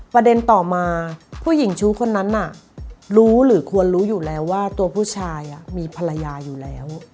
ประเด็นต่อมาผู้หญิงชู้คนนั้นน่ะรู้หรือควรรู้อยู่แล้วว่าตัวผู้ชายมีภรรยาอยู่แล้ว